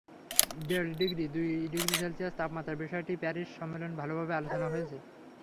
দেড় ডিগ্রি, দুই degree Celsius তাপমাত্রার বিষয়টি প্যারিস সম্মেলনে ভালোভাবে আলোচনা হয়েছে।